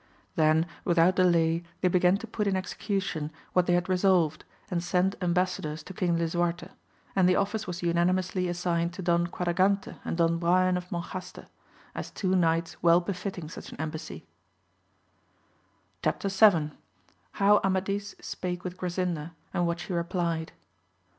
Then without delay they began to put in execution what they had resolved, and send embassadors to King lasuarte, and the office was unanimously as signed to Don Quadragante and Don Brian of Mon jaste, as two knights well befitting such an embassy. Ch^p. YII. — ^How Amadis spake with G rasindaj and what she replied.